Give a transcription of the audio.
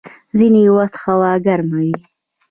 ځيني وخت هوا ګرمه وي.